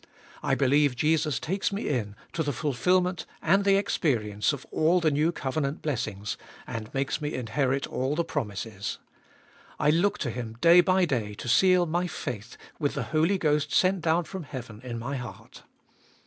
I believe Jesus takes me in to the fulfilment and the experience of all the new covenant blessings, and makes me inherit all the promises. I look to Him day by day to seal my faith with the Holy Ghost sent down from heaven in my heart.